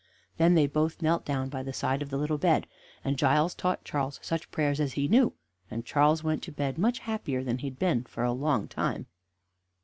Then they both knelt down by the side of the little bed, and Giles taught Charles such prayers as he knew, and Charles went to bed much happier than he had been for a long time.